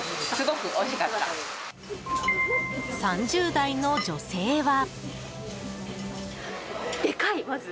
３０代の女性は。